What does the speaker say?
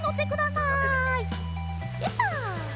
よいしょ。